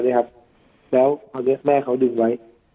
แล้วแม่เขาดึงไว้